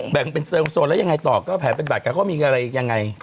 แบ่งเป็นไฟล์วอย่างไรต่อก็แผนเป็นตัวดอกก็มีอะไรอย่างไง